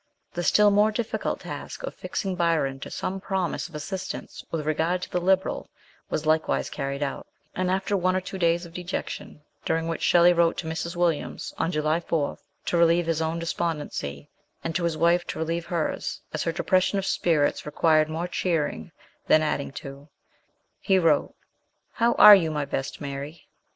The still more difficult task of fixing Byron to some promise of assistance with regard to the Liberal was likewise carried out ; and after one or two days of dejection, during which Shelley wrote to Mrs. Williams on July 4 to relieve his own despondency, and to his wife to relieve hers, as her depression of spirits required more cheering than adding to, he wrote: "How are you, my best Mary?